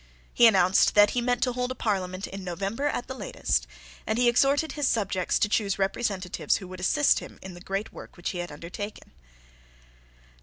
He announced that he meant to hold a Parliament in November at the latest; and he exhorted his subjects to choose representatives who would assist him in the great work which he had undertaken.